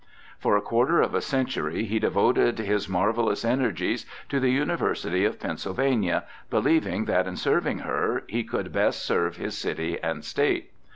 For a quarter of a century he devoted his marvellous energies to the University of Pennsylvania, believing that in serving her he could best serve his city and State.